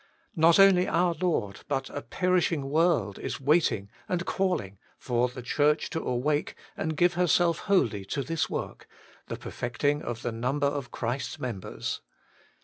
Not only our Lord, but a perishing world is waiting and calling for the Church to awake and give herself wholly to this work — the perfecting of the number of Christ's members.